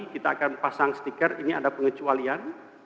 kita akan pasang stiker ini ada pengecualian